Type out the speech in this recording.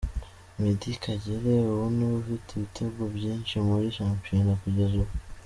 Meddie Kagere ubu niwe ufite ibitego byinshi muri shampiyona kugeza ubu.